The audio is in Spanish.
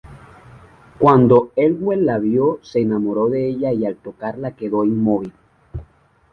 Cuando Elwë la vio se enamoró de ella y al tocarla quedó inmóvil.